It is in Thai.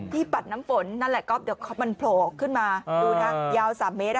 ปัดน้ำฝนนั่นแหละก็เดี๋ยวมันโผล่ขึ้นมาดูนะยาว๓เมตร